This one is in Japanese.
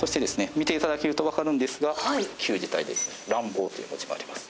見て頂けるとわかるんですが旧字体で「濫妨」という文字もあります。